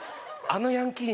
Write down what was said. あのヤンキー